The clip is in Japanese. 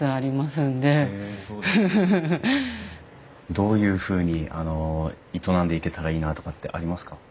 どういうふうに営んでいけたらいいなとかってありますか？